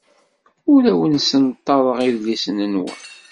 Ur awen-ssenṭaḍeɣ idlisen-nwen.